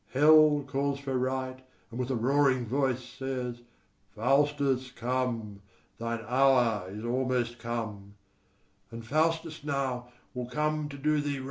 Hell calls for right, and with a roaring voice Says, "Faustus, come; thine hour is almost come;" And Faustus now will come to do thee right.